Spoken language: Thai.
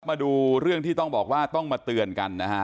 มาดูเรื่องที่ต้องบอกว่าต้องมาเตือนกันนะฮะ